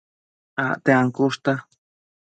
Acte ancushta